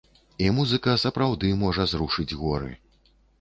І музыка сапраўды можа зрушыць горы.